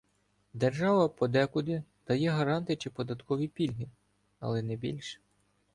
Держава подекуди дає гранти чи податкові пільги, але не більше